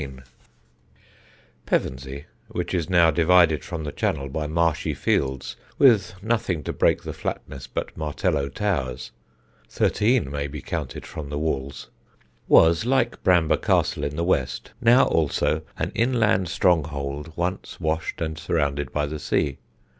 _] Pevensey, which is now divided from the channel by marshy fields with nothing to break the flatness but Martello towers (thirteen may be counted from the walls), was, like Bramber Castle in the west, now also an inland stronghold, once washed and surrounded by the sea.